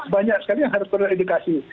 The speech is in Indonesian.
banyak sekali yang harus diberikan edukasi